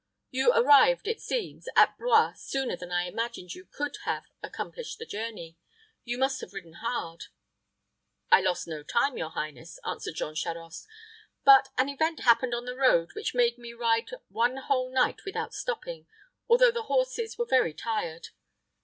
You arrived, it seems, at Blois sooner than I imagined you could have accomplished the journey. You must have ridden hard." "I lost no time, your highness," answered Jean Charost; "but an event happened on the road which made me ride one whole night without stopping, although the horses were very tired.